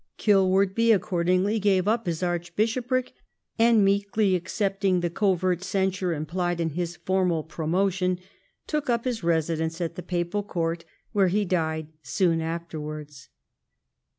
Kilwardby accord ingly gave up his archbishopric, and meekly accepting the covert censure implied in his formal promotion, took up his residence at the papal court, where he died soon afterwards.